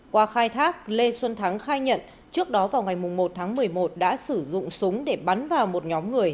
qua khai thác lê xuân thắng khai nhận trước đó vào ngày một tháng một mươi một đã sử dụng súng để bắn vào một nhóm người